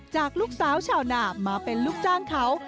จากลูกสาวชาวนามาเป็นลูกจ้างเขา